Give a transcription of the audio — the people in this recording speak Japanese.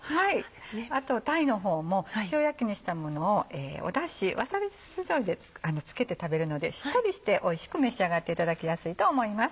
あと鯛の方も塩焼きにしたものをわさび酢じょうゆ付けて食べるのでしっとりしておいしく召し上がっていただきやすいと思います。